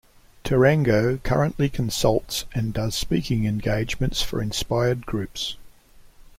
Tarango currently consults and does speaking engagements for inspired groups.